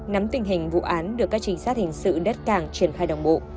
nắm tình hình vụ án được các trinh sát hình sự đất cảng triển khai đồng bộ